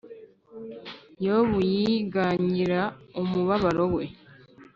Yobu yiganyira umubabaro we